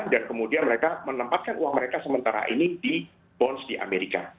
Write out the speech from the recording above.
dan kemudian mereka menempatkan uang mereka sementara ini di bonds di amerika